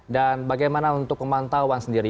dan bagaimana untuk pemantauan sendiri